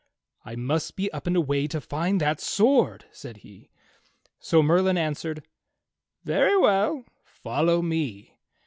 "I must be up and away to find that sword," said he. So Merlin answered: "Very well. Follow me."